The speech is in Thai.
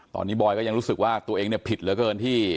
ตอนนี้บอยก็ยังรู้สึกว่าตัวเองเนี่ยผิดเหลือเกินที่